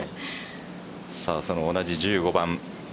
その同じ１５番。